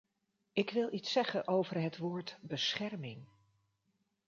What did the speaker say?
Ik wil iets zeggen over het woord "bescherming”.